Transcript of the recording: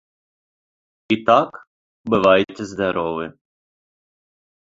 І так, бывайце здаровы.